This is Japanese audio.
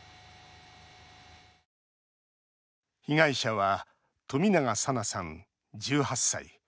被害者は冨永紗菜さん、１８歳。